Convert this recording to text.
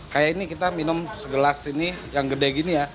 kayak ini kita minum segelas ini yang gede gini ya